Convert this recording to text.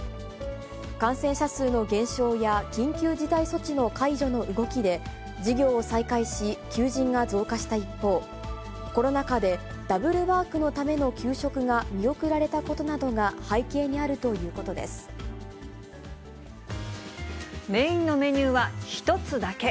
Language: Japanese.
感染者数の減少や緊急事態措置の解除の動きで、事業を再開し、求人が増加した一方、コロナ禍でダブルワークのための求職が見送られたことなどが背景メインのメニューは１つだけ。